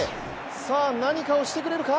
さあ、何かをしてくれるか？